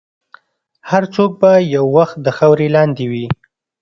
هر څوک به یو وخت د خاورې لاندې وي.